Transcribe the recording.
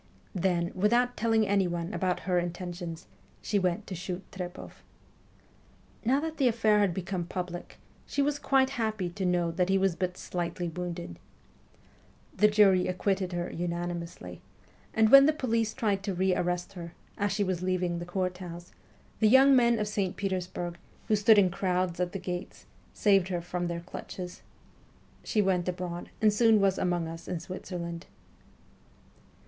Then, without telling anyone about her intentions, she went to shoot Trepoff. Now that the affair had become public, she was quite happy to know that he was but slightly wounded. The jury acquitted her unanimously ; and when the police tried to rearrest her, as she was leaving the court house, the young men of St. WESTERN EUROPE 225 Petersburg, who stood in crowds at the gates, saved her from their clutches. She went abroad, and soon was among us in Switzerland.